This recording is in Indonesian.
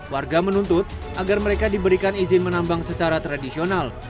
warga menuntut agar mereka diberikan izin menambang secara tradisional